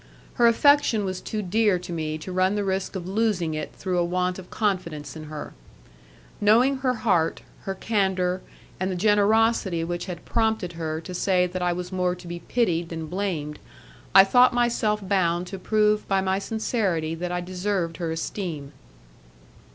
Her affection was too dear to me to run the risk of losing it through a want of confidence in her. Knowing her heart, her candour, and the generosity which had prompted her to say that I was more to be pitied than blamed, I thought myself bound to prove by my sincerity that I deserved her esteem.